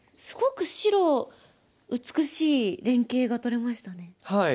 すごく白美しい連係がとれましたね。